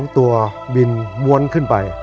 ๒ตัวบินม้วนขึ้นไป